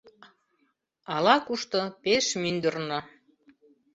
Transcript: Ала-кушто пеш мӱндырнӧ